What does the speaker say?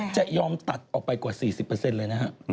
จะยอมตัดออกไปกว่า๔๐เลยนะฮะ